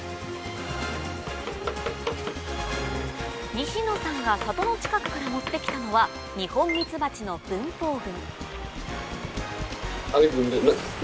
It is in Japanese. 西野さんが里の近くから持ってきたのはニホンミツバチの分蜂群